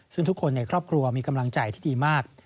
ซึ่งทุกคนในครอบครัวมีกำลังใจที่ดีมาก